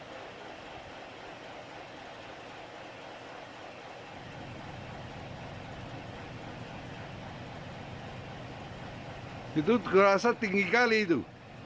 hidup kerasa tinggi kali itu